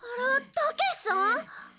たけしさん？